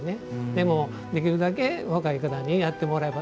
でもできるだけ若い方にやってもらえれば。